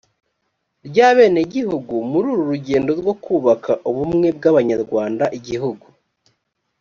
ry abenegihugu muri uru rugendo rwo kubaka ubumwe bw abanyarwanda igihugu